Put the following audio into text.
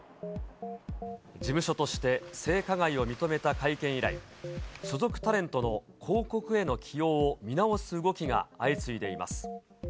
事務所として性加害を認めた会見以来、所属タレントの広告への起用を見直す動きが相次いでいます。